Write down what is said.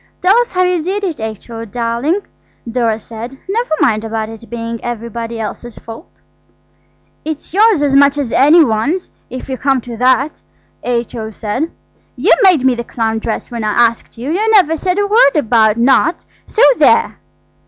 "Tell us how you did it, H.O. dear," Dora said; "never mind about it being everybody else's fault." "It's yours as much as any one's, if you come to that," H.O. said. "You made me the clown dress when I asked you. You never said a word about not. So there!"